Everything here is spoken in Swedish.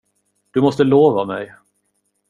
Du måste lova mig!